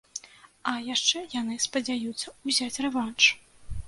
А яшчэ яны спадзяюцца ўзяць рэванш.